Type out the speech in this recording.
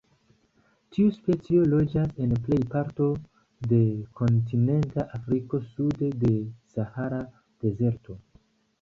Tiu specio loĝas en plej parto de kontinenta Afriko sude de Sahara Dezerto.